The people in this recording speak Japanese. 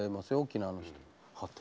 沖縄の人。